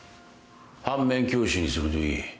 反面教師にするといい。